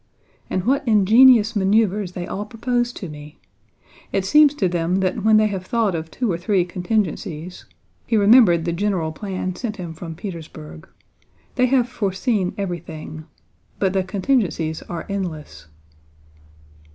"And what ingenious maneuvers they all propose to me! It seems to them that when they have thought of two or three contingencies" (he remembered the general plan sent him from Petersburg) "they have foreseen everything. But the contingencies are endless."